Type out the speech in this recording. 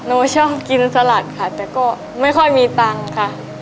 ชอบกินสลัดค่ะแต่ก็ไม่ค่อยมีตังค์ค่ะ